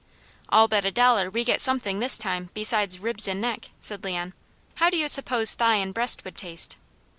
"I'll bet a dollar we get something this time besides ribs and neck," said Leon. "How do you suppose thigh and breast would taste?"